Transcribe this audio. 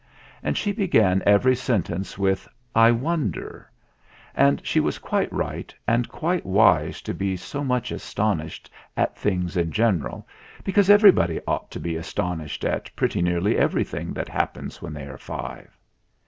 And she began every sentence with "I wonder"; and she was quite right and quite wise to be so much astonished at things in general, because everybody ought to be astonished at pretty nearly everything that happens when they are five.